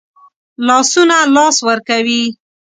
لاسونه لاس ورکوي